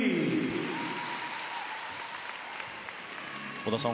織田さん